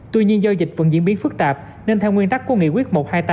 tuy nhiên do dịch vẫn diễn biến phức tạp nên theo nguyên tắc của nghị quyết một trăm hai mươi tám